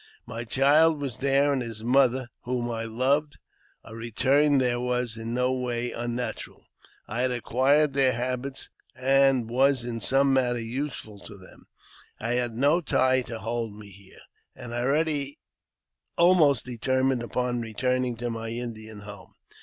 My child was there, and his mother, whom I loved ; a return there was in no way unnatural. I had acquired their habits, and was in some manner useful to them. I had no tie to hold me here, and I already almost determined upon returning to my Indian home.